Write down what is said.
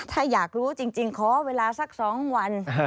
ถ้าอยากรู้จริงขอเวลาสัก๒วัน